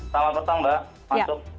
selamat petang mbak masuk